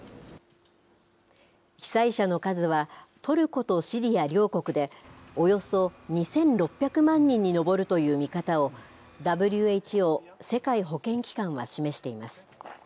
被災者の数は、トルコとシリア両国で、およそ２６００万人に上るという見方を、ＷＨＯ・世界保健機関は示しています。